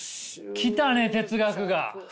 来たね哲学が！